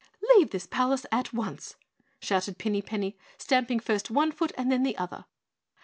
"Leave this palace at once!" shouted Pinny Penny, stamping first one foot and then the other.